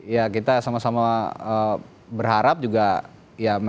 ya kita sama sama berharap juga ya masyarakat kita bisa dengan tenaga kesehatan